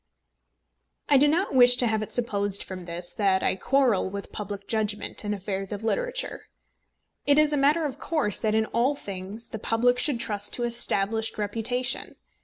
I do not wish to have it supposed from this that I quarrel with public judgment in affairs of literature. It is a matter of course that in all things the public should trust to established reputation.